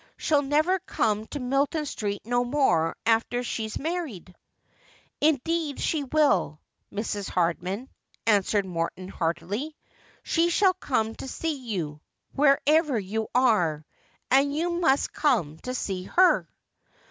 She'll never come to Milton Street no more after she's married.' ' Indeed she will, Mrs. Hardman,' answered Morton heartily. ' She shall come to see you, wherever you are, and you must come to see her.'